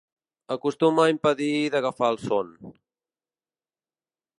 Acostuma a impedir d’agafar el son.